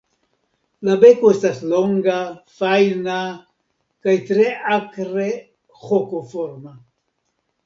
La beko estas longa, fajna, kaj tre akre hokoforma.